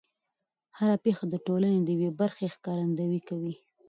هر پېښه د ټولنې د یوې برخې ښکارندويي کوي.